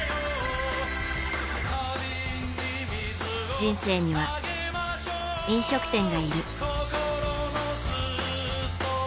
人生には、飲食店がいる。